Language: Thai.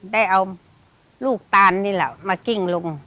ได้เอาลูกตานนี่แหละมากิ้งลง